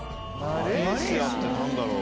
・マレーシアって何だろう